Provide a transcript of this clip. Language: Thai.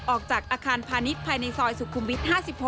ออกจากอาคารพาณิชย์ภายในซอยสุขุมวิท๕๖